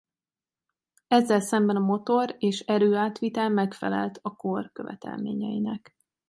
Ezzel szemben a motor és erőátvitel megfelelt a kor követelményeinek.